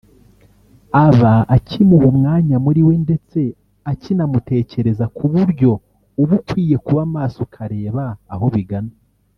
aba akimuha umwanya muri we ndetse akinamutekereza ku buryo uba ukwiye kuba maso ukareba aho bigana